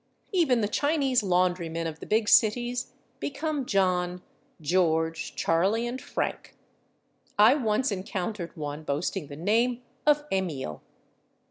Even the Chinese laundrymen of the big cities become /John/, /George/, /Charlie/ and /Frank/; I once encountered one boasting the name of /Emil